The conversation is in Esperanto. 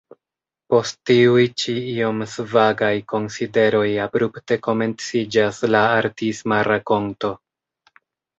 Post tiuj ĉi iom svagaj konsideroj abrupte komenciĝas la artisma rakonto.